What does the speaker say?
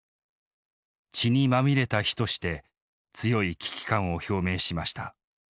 「血にまみれた日」として強い危機感を表明しました。